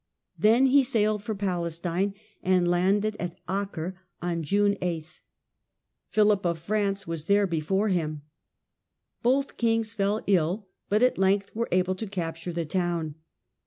Then he sailed for Palestine, and landed at Acre on June 8. Philip of France was there before him. Both kings fell ill, but at length were able to capture the town.